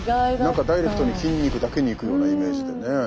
何かダイレクトに筋肉だけにいくようなイメージでね。